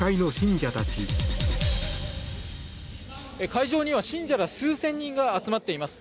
会場には信者が数千人集まってます。